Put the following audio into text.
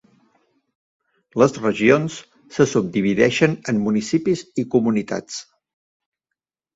Les regions se subdivideixen en municipis i comunitats.